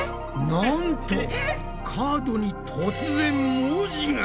なんとカードに突然文字が！